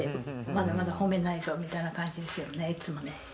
まだまだ褒めないぞみたいな感じですよね、いつもね。